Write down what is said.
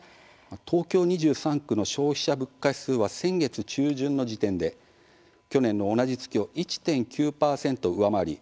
東京２３区の消費者物価指数は先月中旬の時点で去年の同じ月を１．９％上回り